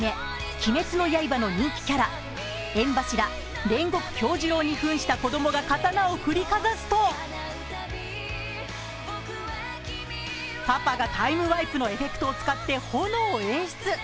「鬼滅の刃」の人気キャラ炎柱煉獄杏寿郎にふんした子供が刀を振りかざすとパパがタイムワイプのエフェクトを使って炎を演出。